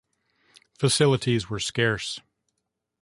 Facilities were scarce.